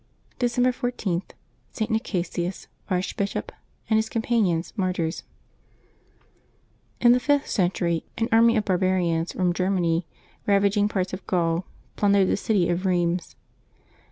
December 14. — ST. NICASIUS, Archbishop, and his Companions, Martyrs. IN the fifth century an army of barbarians from Grer many ravaging part of Gaul, plundered the city of Rheims.